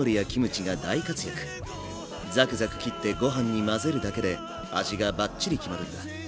ザクザク切ってご飯に混ぜるだけで味がバッチリ決まるんだ。